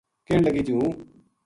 کہن لگو جی ہوں